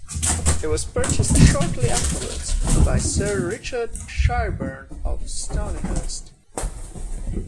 It was purchased shortly afterwards by Sir Richard Shireburne of Stonyhurst.